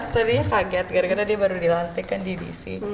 ternyata kaget karena dia baru dilantikkan di dc